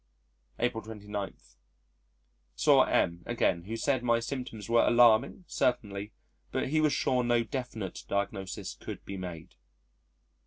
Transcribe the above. April 29. Saw M again, who said my symptoms were alarming certainly, but he was sure no definite diagnosis could be made.